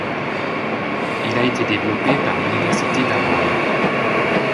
Il a été développé par l'université d'Hawaii.